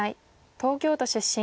東京都出身。